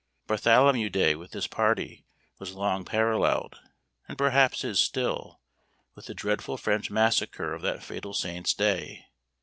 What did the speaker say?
Bartholomew day with this party was long paralleled, and perhaps is still, with the dreadful French massacre of that fatal saint's day.